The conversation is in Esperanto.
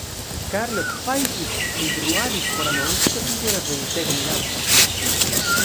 Karlo ekfajfis kaj bruadis por anonci, ke danĝera ventego minacas la ŝipon.